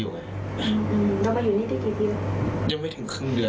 ทีเดียวได้มั้ยทีเดียวเลย